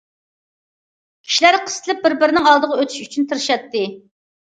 كىشىلەر قىستىلىپ بىر- بىرىنىڭ ئالدىغا ئۆتۈش ئۈچۈن تىرىشاتتى.